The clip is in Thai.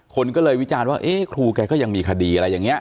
คนก็เลยวิจารณ์ว่าเอ๊ะครูแกก็ยังมีคดีอะไรอย่างนี้